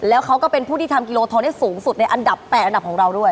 แล้วเขาก็เป็นผู้ที่ทำกิโลทองได้สูงสุดในอันดับ๘อันดับของเราด้วย